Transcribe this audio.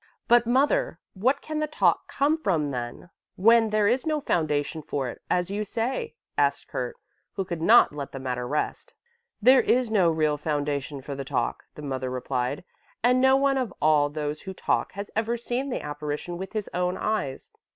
"But, mother, what can the talk come from then, when there is no foundation for it, as you say?" asked Kurt, who could not let the matter rest. "There is no real foundation for the talk," the mother replied, "and no one of all those who talk has ever seen the apparition with his own eyes.